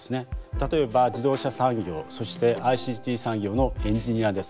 例えば自動車産業そしてＩＣＴ産業のエンジニアです。